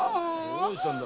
どうしたんだ？